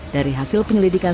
dari hasil penyelidikan sebelumnya